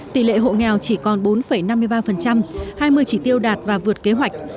tỷ lệ hộ nghèo chỉ còn bốn năm mươi ba hai mươi chỉ tiêu đạt và vượt kế hoạch